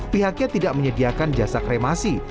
pihaknya tidak menyediakan jasa kremasi